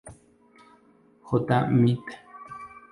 J. Med.